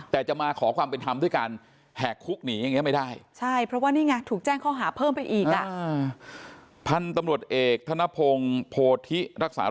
แต่จะมาขอความเป็นธรรมด้วยการแหกคุกหนีอย่างนี้ไม่ได้